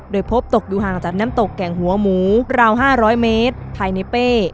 โดยพบตกอยู่ห่างจากน้ำตกแก่งหัวหมูราว๕๐๐เมตรภายในเป้